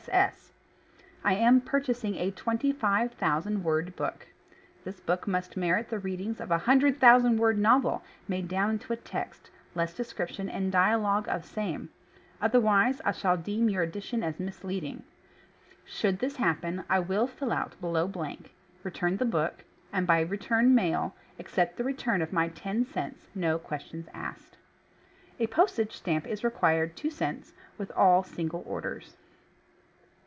S! S." I am purchasing a TWENTY FIVE THOUSAND WORD BOOK. This book must merit the reading of a HUNDRED THOUSAND WORD NOVEL, made down into a text, less De scription and DIALOGUE of same; otherwise I shall deem your edition as m.isleading. Sho'uld this happen I will fill out BELOW blank, return the BOOK, and by return ]\IAIL, accept the return of my TEN CENTS— no questions ASKED. A postage stamp is required (2 cents) with all single orders.